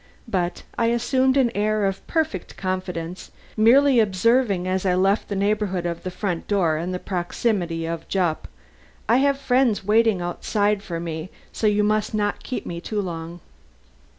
But I assumed an air of perfect confidence, merely observing as I left the neighborhood of the front door and the proximity of Jupp: "I have friends on the outside who are waiting for me; so you must not keep me too long."